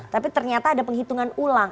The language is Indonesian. tapi ternyata ada penghitungan ulang